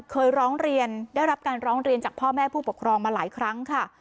เคยร้องเรียนได้รับการร้องเรียนจากพ่อแม่ผู้ปกครองมาหลายครั้งค่ะ